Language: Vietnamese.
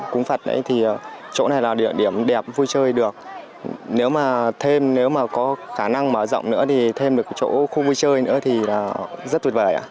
chỗ này là chỗ đẹp vui chơi nếu có khả năng mở rộng nữa thì thêm được chỗ không vui chơi nữa thì rất tuyệt vời